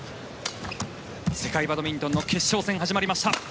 世界バドミントンの決勝戦始まりました。